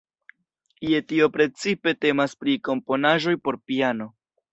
Je tio precipe temas pri komponaĵoj por piano.